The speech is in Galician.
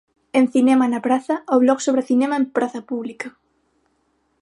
En Cinema na praza, o blog sobre cinema en Praza Pública.